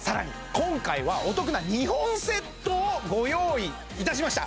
今回はお得な２本セットをご用意いたしました！